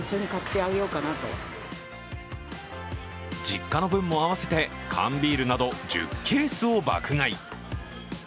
実家の分も合わせて缶ビールなど１０ケースを爆買い。